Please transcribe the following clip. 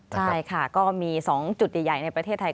ใช่ค่ะก็มี๒จุดใหญ่ในประเทศไทย